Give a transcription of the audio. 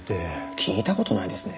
聞いたことないですね。